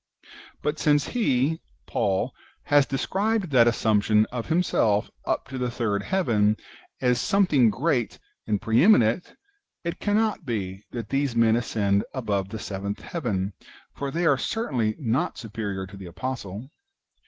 But since he (Paul) has described that assumption of himself up to the third heaven as something great and pre eminent, it cannot be that these men ascend above the seventh heaven, for they are certainly not superior to the apostle.